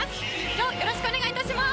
今日はよろしくお願い致します。